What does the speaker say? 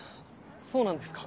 そうなんですか。